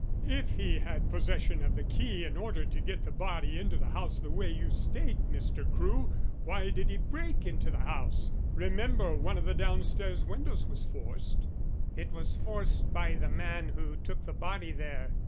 "If he had possession of the key in order to get the body into the house in the way you state, Mr. Crewe, why did he break into the house? Remember one of the downstairs windows was forced." "It was forced by the man who took the body there.